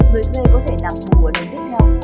người thuê có thể nạp bùa đồng tiếp theo